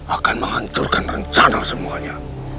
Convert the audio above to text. akan menghancurkan rencana semuanya